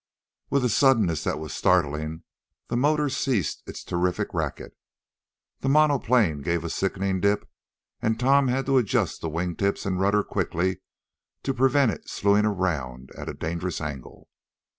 With a suddenness that was startling the motor ceased its terrific racket. The monoplane gave a sickening dip, and Tom had to adjust the wing tips and rudder quickly to prevent it slewing around at a dangerous angle.